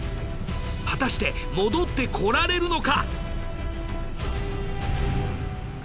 果たして戻ってこられるのか？